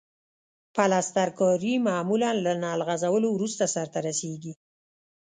پلسترکاري معمولاً له نل غځولو وروسته سرته رسیږي.